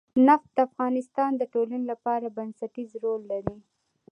نفت د افغانستان د ټولنې لپاره بنسټيز رول لري.